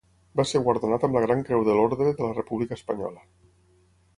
Va ser guardonat amb la Gran Creu de l'Orde de la República Espanyola.